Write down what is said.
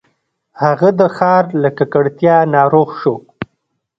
هغه د ښار له ککړتیا ناروغ شو.